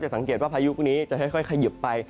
สังเกตว่าพายุลูกนี้จะค่อยขยิบไป